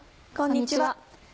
こんにちは。